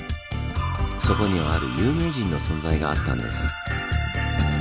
そこにはある有名人の存在があったんです。